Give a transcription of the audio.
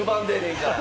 近いから。